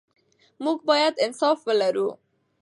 موږ باید انصاف ولرو.